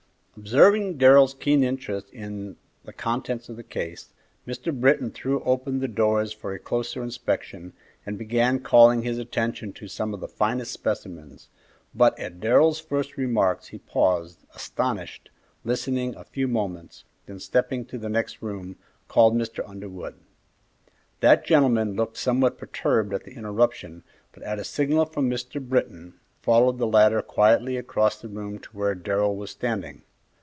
Observing Darrell's interest in the contents of the case, Mr. Britton threw open the doors for a closer inspection, and began calling his attention to some of the finest specimens, but at Darrell's first remarks he paused, astonished, listened a few moments, then stepping to the next room, called Mr. Underwood. That gentleman looked somewhat perturbed at the interruption, but at a signal from Mr. Britton, followed the latter quietly across the room to where Darrell was standing.